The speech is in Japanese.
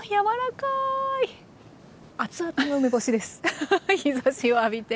ハハハ日ざしを浴びて。